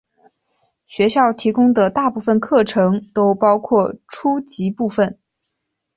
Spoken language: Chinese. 学校提供的大部分课程都包括初级部分。